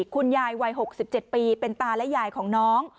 คุณยายวัย๖๗ปีเป็นตาและยายของน้อง